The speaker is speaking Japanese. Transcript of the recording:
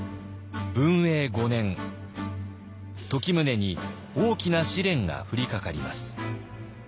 時宗に大きな試練が降りかかります。